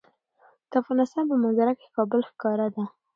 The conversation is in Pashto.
د افغانستان په منظره کې کابل ښکاره ده.